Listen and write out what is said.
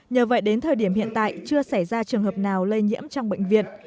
nhờ vậy đến thời điểm hiện tại chưa xảy ra trường hợp nào lây nhiễm trong bệnh viện